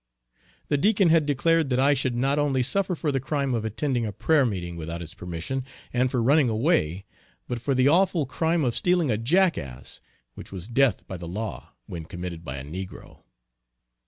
The Deacon had declared that I should not only suffer for the crime of attending a prayer meeting without his permission, and for running away, but for the awful crime of stealing a jackass, which was death by the law when committed by a negro.